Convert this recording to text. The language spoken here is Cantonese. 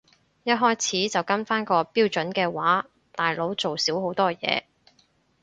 一開始就跟返個標準嘅話大佬做少好多嘢